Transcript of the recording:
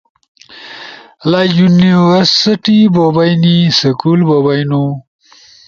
لا یونیورسٹی بو بئینی، سکول بو بئینو،